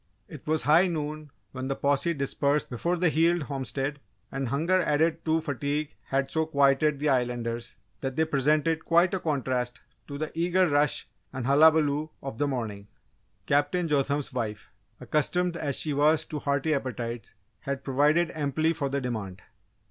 It was high noon when the posse dispersed before the Heald homestead, and hunger added to fatigue had so quieted the Islanders that they presented quite a contrast to the eager rush and hullabaloo of the morning. Captain Jotham's wife, accustomed as she was to hearty appetites, had provided amply for the demand.